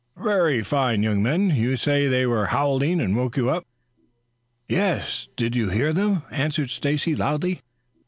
"Very fine, young men. You say they were howling and woke you up?" "Yes; didn't you hear them!" answered Stacy loudly.